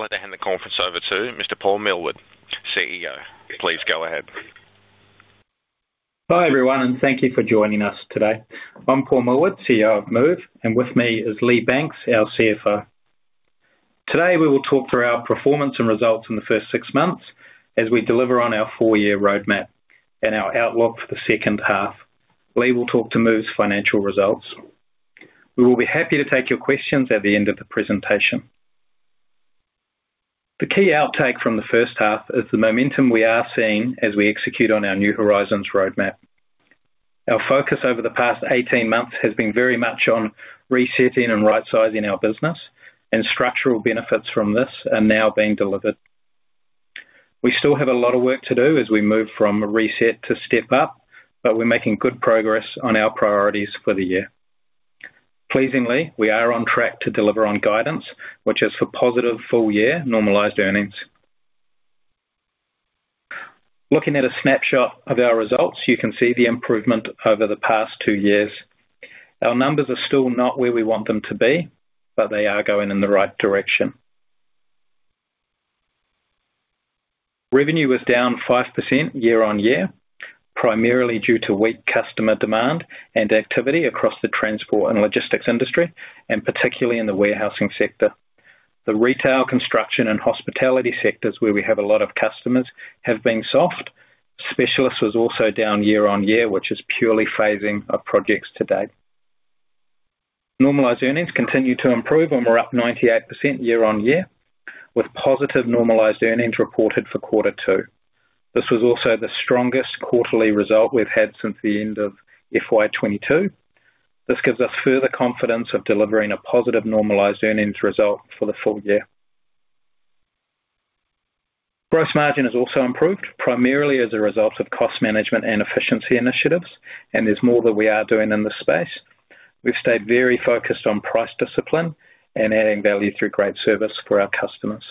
I'd like to hand the conference over to Mr. Paul Millward, CEO. Please go ahead. Hi, everyone, thank you for joining us today. I'm Paul Millward, CEO of MOVE, and with me is Lee Banks, our CFO. Today, we will talk through our performance and results in the first six months as we deliver on our four-year roadmap and our outlook for the second half. Lee will talk to MOVE's financial results. We will be happy to take your questions at the end of the presentation. The key outtake from the first half is the momentum we are seeing as we execute on our New Horizons roadmap. Our focus over the past 18 months has been very much on resetting and right-sizing our business, and structural benefits from this are now being delivered. We still have a lot of work to do as we move from reset to step up, but we're making good progress on our priorities for the year. Pleasingly, we are on track to deliver on guidance, which is for positive full-year Normalized Earnings. Looking at a snapshot of our results, you can see the improvement over the past two years. Our numbers are still not where we want them to be, but they are going in the right direction. Revenue was down 5% year-on-year, primarily due to weak customer demand and activity across the transport and logistics industry, and particularly in the warehousing sector. The retail, construction, and hospitality sectors, where we have a lot of customers, have been soft. Specialists was also down year-on-year, which is purely phasing of projects to date. Normalized Earnings continue to improve, and we're up 98% year-on-year, with positive Normalized Earnings reported for quarter two. This was also the strongest quarterly result we've had since the end of FY 2022. This gives us further confidence of delivering a positive Normalized Earnings result for the full year. Gross margin has also improved, primarily as a result of cost management and efficiency initiatives, and there's more that we are doing in this space. We've stayed very focused on price discipline and adding value through great service for our customers.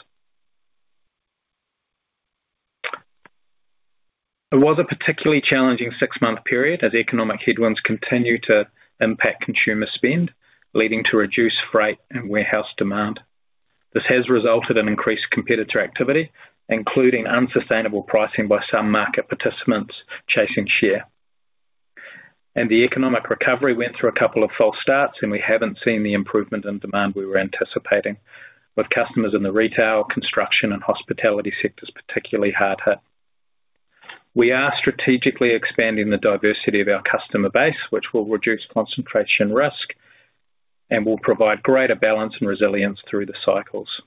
It was a particularly challenging six-month period as economic headwinds continue to impact consumer spend, leading to reduced freight and warehouse demand. This has resulted in increased competitor activity, including unsustainable pricing by some market participants chasing share. The economic recovery went through a couple of false starts, and we haven't seen the improvement in demand we were anticipating, with customers in the retail, construction, and hospitality sectors particularly hard hit. We are strategically expanding the diversity of our customer base, which will reduce concentration risk and will provide greater balance and resilience through the cycles.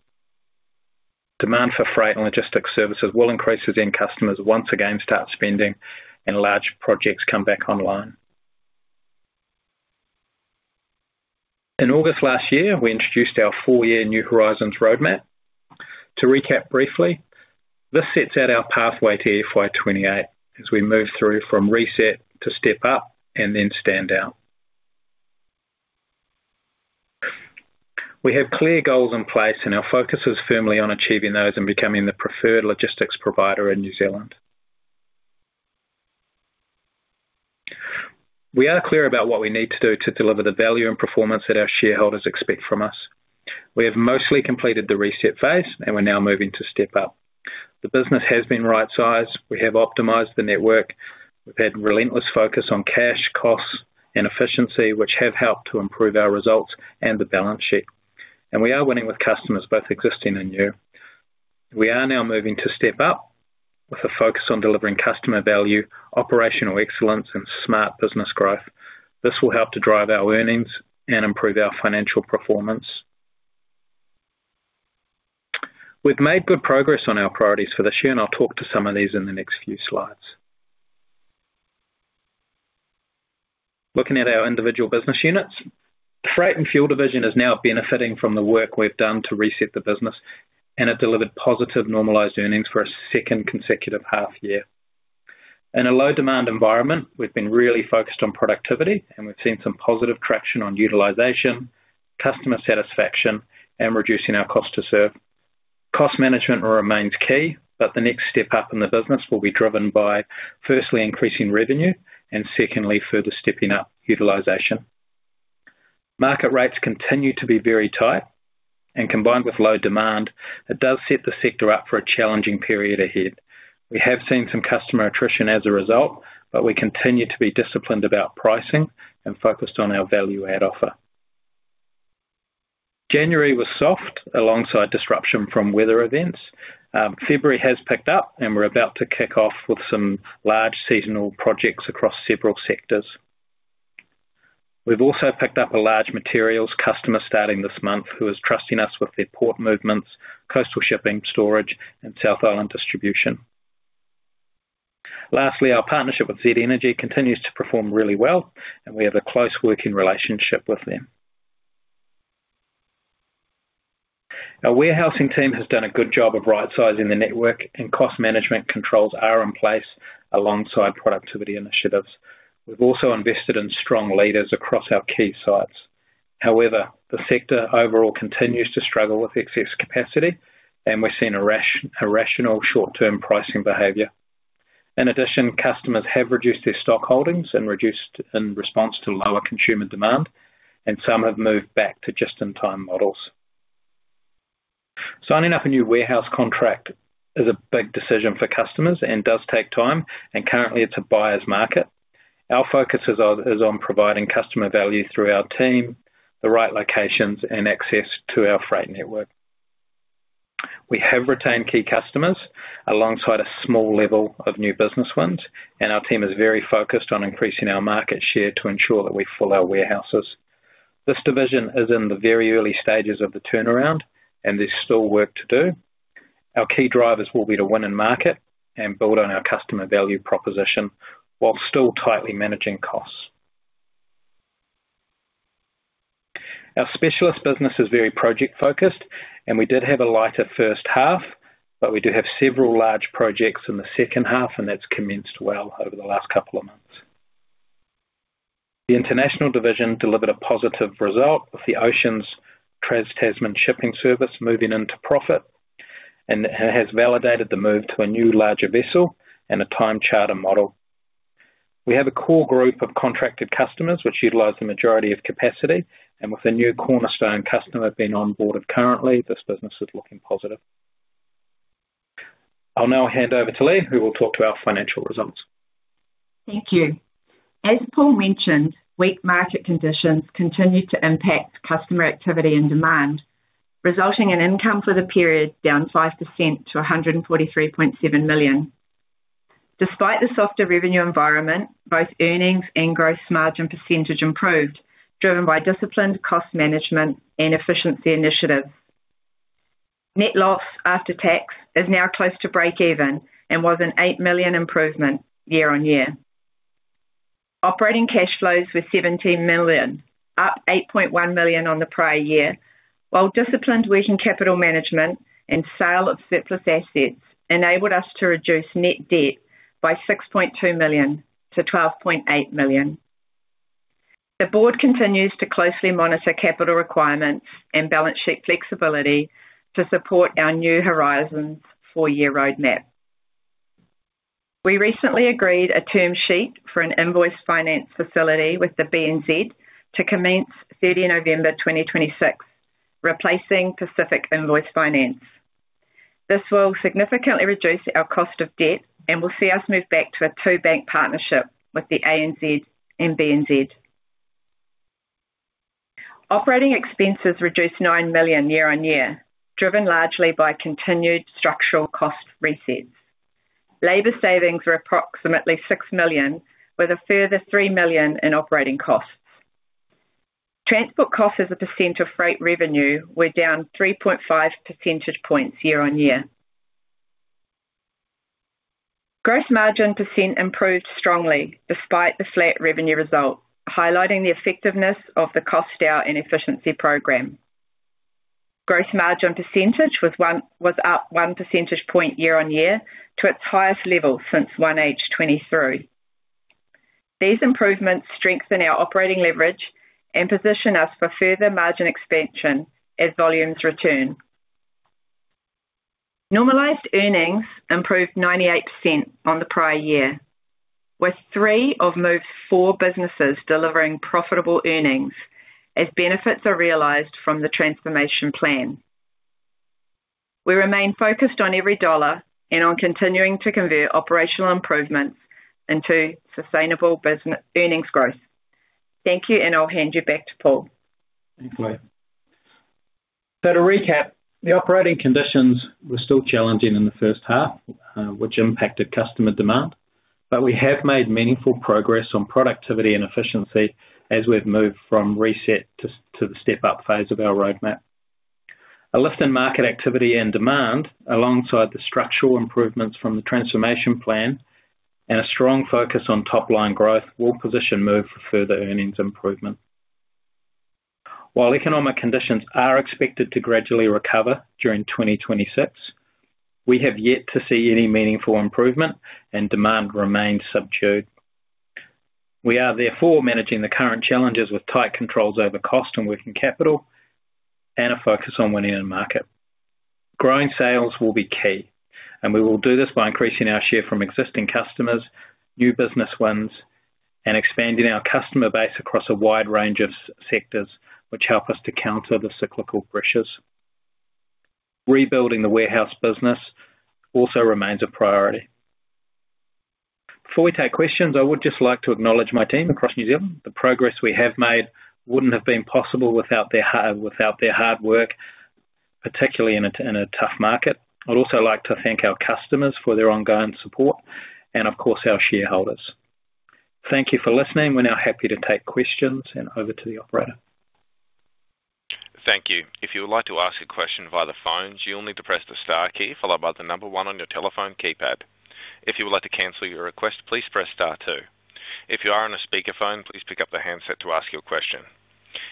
Demand for freight and logistics services will increase as end customers once again start spending and large projects come back online. In August last year, we introduced our four-year New Horizons roadmap. To recap briefly, this sets out our pathway to FY 2028 as we move through from reset to step up and then stand out. We have clear goals in place, and our focus is firmly on achieving those and becoming the preferred logistics provider in New Zealand. We are clear about what we need to do to deliver the value and performance that our shareholders expect from us. We have mostly completed the reset phase, and we're now moving to step up. The business has been right-sized. We have optimized the network. We've had relentless focus on cash costs and efficiency, which have helped to improve our results and the balance sheet. We are winning with customers, both existing and new. We are now moving to step up with a focus on delivering customer value, operational excellence, and smart business growth. This will help to drive our earnings and improve our financial performance. We've made good progress on our priorities for this year, and I'll talk to some of these in the next few slides. Looking at our individual business units, Freight & Fuel division is now benefiting from the work we've done to reset the business and have delivered positive, normalised earnings for a second consecutive half year. In a low-demand environment, we've been really focused on productivity, and we've seen some positive traction on utilization, customer satisfaction, and reducing our cost to serve. Cost management remains key, the next step up in the business will be driven by, firstly, increasing revenue, and secondly, further stepping up utilization. Market rates continue to be very tight, combined with low demand, it does set the sector up for a challenging period ahead. We have seen some customer attrition as a result, but we continue to be disciplined about pricing and focused on our value add offer. January was soft alongside disruption from weather events. February has picked up, and we're about to kick off with some large seasonal projects across several sectors. We've also picked up a large materials customer starting this month, who is trusting us with their port movements, coastal shipping, storage, and South Island distribution. Lastly, our partnership with Z Energy continues to perform really well, and we have a close working relationship with them. Our warehousing team has done a good job of right-sizing the network, and cost management controls are in place alongside productivity initiatives. We've also invested in strong leaders across our key sites. However, the sector overall continues to struggle with excess capacity, and we're seeing irrational short-term pricing behavior. In addition, customers have reduced their stock holdings and reduced in response to lower consumer demand, and some have moved back to just-in-time models. Signing up a new warehouse contract is a big decision for customers and does take time, and currently it's a buyer's market. Our focus is on providing customer value through our team, the right locations, and access to our freight network. We have retained key customers alongside a small level of new business wins, and our team is very focused on increasing our market share to ensure that we fill our warehouses. This division is in the very early stages of the turnaround, and there's still work to do. Our key drivers will be to win and market and build on our customer value proposition while still tightly managing costs. Our specialist business is very project-focused, and we did have a lighter first half, but we do have several large projects in the second half, and that's commenced well over the last couple of months. The international division delivered a positive result, with the Oceans trans-Tasman shipping service moving into profit, and it has validated the move to a new larger vessel and a time charter model. We have a core group of contracted customers which utilize the majority of capacity, and with a new cornerstone customer being onboarded currently, this business is looking positive. I'll now hand over to Lee, who will talk to our financial results. Thank you. As Paul mentioned, weak market conditions continue to impact customer activity and demand, resulting in income for the period down 5% to 143.7 million. Despite the softer revenue environment, both earnings and gross margin percentage improved, driven by disciplined cost management and efficiency initiatives. Net loss after tax is now close to breakeven and was an 8 million improvement year-on-year. Operating cash flows were 17 million, up 8.1 million on the prior year, while disciplined working capital management and sale of surplus assets enabled us to reduce net debt by 6.2 million to 12.8 million. The board continues to closely monitor capital requirements and balance sheet flexibility to support our New Horizons four-year roadmap. We recently agreed a term sheet for an invoice finance facility with the BNZ to commence 30 November 2026, replacing Pacific Invoice Finance. This will significantly reduce our cost of debt and will see us move back to a two-bank partnership with the ANZ and BNZ. Operating expenses reduced 9 million year-on-year, driven largely by continued structural cost resets. Labor savings were approximately 6 million, with a further 3 million in operating costs. Transport costs as a percent of freight revenue were down 3.5 percentage points year-on-year. Gross margin percent improved strongly despite the flat revenue result, highlighting the effectiveness of the cost-out and efficiency program. Gross margin percentage was up 1 percentage point year-on-year to its highest level since 1H23. These improvements strengthen our operating leverage and position us for further margin expansion as volumes return. Normalized Earnings improved 98% on the prior year, with three of MOVE's four businesses delivering profitable earnings as benefits are realized from the transformation plan. We remain focused on every dollar and on continuing to convert operational improvements into sustainable business earnings growth. Thank you, and I'll hand you back to Paul. Thanks, Lee. To recap, the operating conditions were still challenging in the first half, which impacted customer demand, but we have made meaningful progress on productivity and efficiency as we've moved from reset to the step up phase of our roadmap. A lift in market activity and demand, alongside the structural improvements from the transformation plan and a strong focus on top-line growth, will position MOVE for further earnings improvement. While economic conditions are expected to gradually recover during 2026, we have yet to see any meaningful improvement, and demand remains subdued. We are therefore managing the current challenges with tight controls over cost and working capital and a focus on winning in the market. Growing sales will be key. We will do this by increasing our share from existing customers, new business wins, and expanding our customer base across a wide range of sectors, which help us to counter the cyclical pressures. Rebuilding the warehouse business also remains a priority. Before we take questions, I would just like to acknowledge my team across New Zealand. The progress we have made wouldn't have been possible without their hard work, particularly in a tough market. I'd also like to thank our customers for their ongoing support and, of course, our shareholders. Thank you for listening. We're now happy to take questions. Over to the operator. Thank you. If you would like to ask a question via the phone, you'll need to press the star key followed by the number one on your telephone keypad. If you would like to cancel your request, please press star two. If you are on a speakerphone, please pick up the handset to ask your question.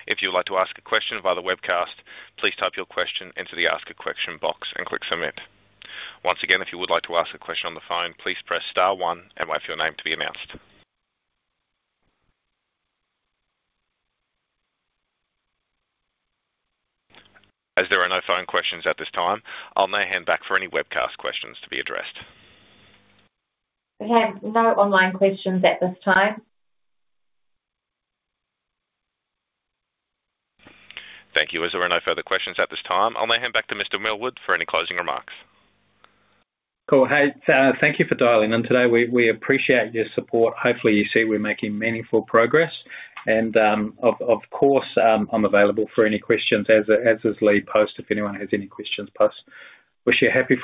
If you would like to ask a question via the webcast, please type your question into the Ask a Question box and click Submit. Once again, if you would like to ask a question on the phone, please press star one and wait for your name to be announced. As there are no phone questions at this time, I'll now hand back for any webcast questions to be addressed. We have no online questions at this time. Thank you. As there are no further questions at this time, I'll now hand back to Mr. Millward for any closing remarks. Cool. Hey, thank you for dialing in today. We appreciate your support. Hopefully, you see we're making meaningful progress. Of course, I'm available for any questions, as is Lee Banks, if anyone has any questions for us. Wish you a happy.